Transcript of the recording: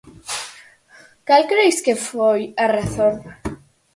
Cal cres que foi a razón?